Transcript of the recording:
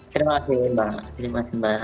terima kasih mbak